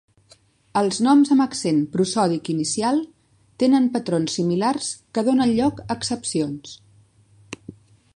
Els noms amb accent prosòdic inicial tenen patrons similars que donen lloc a excepcions.